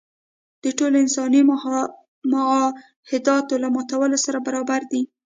د ټولو انساني معاهداتو له ماتولو سره برابر دی.